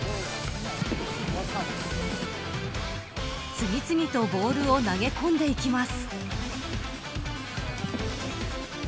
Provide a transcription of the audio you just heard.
次々とボールを投げ込んでいきます。